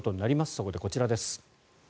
そこでこちらです。